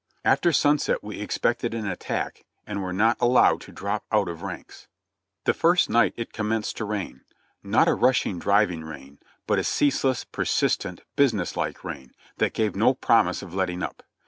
After sunset we expected an attack and were not allowed to drop out of ranks. The first night it commenced to rain; not a rushing, driving rain, but a ceaseless, persistent, business like rain, that gave no promise of letting up.